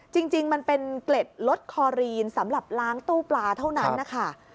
จริงมันเป็นเกล็ดลดคอรีนสำหรับล้างตู้ปลาเท่านั้นนะคะ